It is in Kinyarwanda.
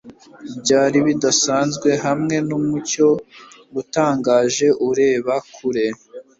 Byari bidasanzwe hamwe numucyo utangaje ureba kure